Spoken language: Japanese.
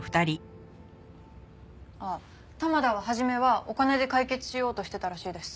あっ玉田は初めはお金で解決しようとしてたらしいです。